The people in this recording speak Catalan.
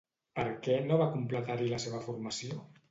Per què no va completar-hi la seva formació?